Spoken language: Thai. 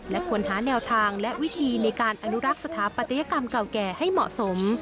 และควรหาแนวทางและวิธีในการอนุรักษ์สถาปัตยกรรมเก่าแก่ให้เหมาะสม